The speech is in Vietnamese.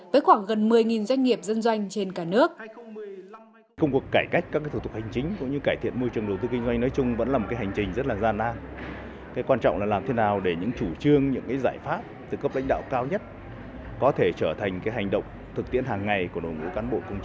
tới khoảng gần một mươi doanh nghiệp dân doanh trên cả nước